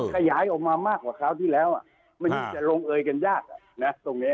ขยายออกมามากกว่าคราวที่แล้วมันยังจะลงเอยกันยากนะตรงนี้